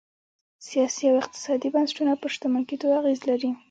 سیاسي او اقتصادي بنسټونه پر شتمن کېدو اغېز لري.